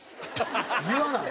言わない？